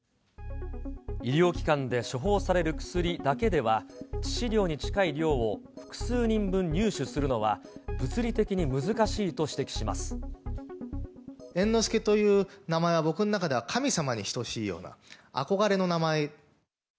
医療機関で処方される薬だけでは、致死量に近い量を複数人分入手するのは、物理的に難しいと指摘し猿之助という名前は、僕の中では神様に等しいような、憧れの名前。